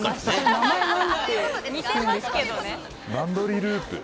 名前、ランドリーループ。